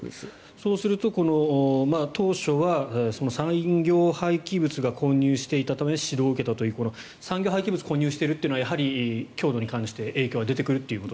そうすると、当初は産業廃棄物が混入していたため指導を受けたという産業廃棄物が混入しているというのはやはり強度に関して影響は出てくると。